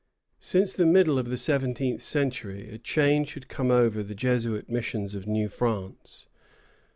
Since the middle of the seventeenth century a change had come over the Jesuit missions of New France.